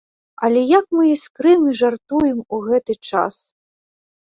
Але як мы іскрым і жартуем ў гэты час!